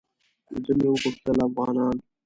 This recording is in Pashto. له ده مې وپوښتل افغانان.